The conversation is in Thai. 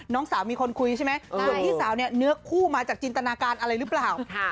น้องสาวมีคนคุยใช่ไหมส่วนพี่สาวเนี่ยเนื้อคู่มาจากจินตนาการอะไรหรือเปล่า